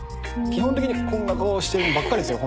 基本的にこんな顔してるのばっかりですよ